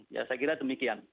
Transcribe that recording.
ya saya kira demikian